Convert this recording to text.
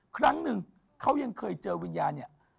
ครั้งหนึ่งเขายังเคยเจอวิญญาณเนี่ย